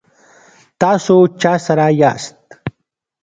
تاسو چا سره یاست؟